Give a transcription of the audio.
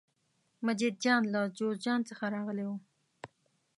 مجید جان له جوزجان څخه راغلی و.